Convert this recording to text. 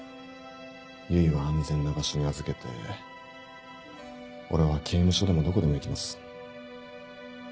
唯は安全な場所に預けて俺は刑務所でもどこでも行きます。